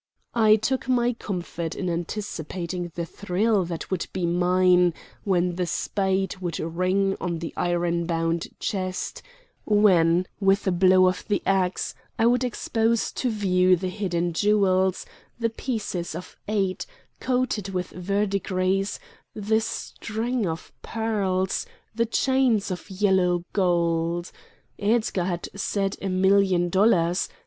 I took my comfort in anticipating the thrill that would be mine when the spade would ring on the ironbound chest; when, with a blow of the axe, I would expose to view the hidden jewels, the pieces of eight, coated with verdigris, the string of pearls, the chains of yellow gold. Edgar had said a million dollars.